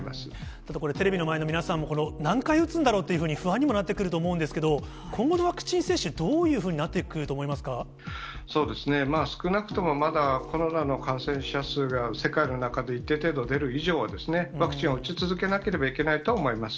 ただこれ、テレビの前の皆さんも、この何回打つんだろうっていうふうに、不安にもなってくると思うんですけど、今後のワクチン接種、どういうふうになってくると思い少なくともまだ、コロナの感染者数が世界の中で一定程度出る以上は、ワクチンを打ち続けなければいけないとは思います。